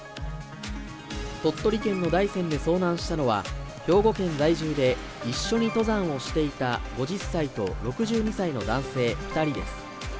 鳥取県の大山で遭難したのは、兵庫県在住で、一緒に登山をしていた５０歳と６２歳の男性２人です。